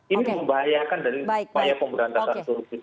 ini membahayakan dari supaya pemberantasan turut